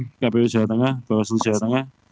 di kpu jawa tengah bawaslu jawa tengah